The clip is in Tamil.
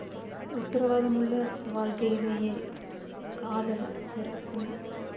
உத்தரவாதமுள்ள வாழ்க்கையிலேயே காதல் சிறக்கும்.